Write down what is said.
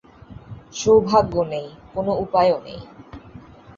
সৌভাগ্য নেই, কোনো উপায়ও নেই।